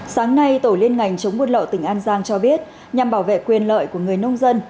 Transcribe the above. sáng nay tổ liên ngành chống buôn lậu tỉnh an giang cho biết nhằm bảo vệ quyền lợi của người nông dân